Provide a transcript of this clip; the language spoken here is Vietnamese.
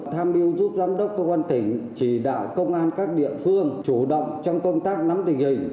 tham mưu giúp giám đốc công an tỉnh chỉ đạo công an các địa phương chủ động trong công tác nắm tình hình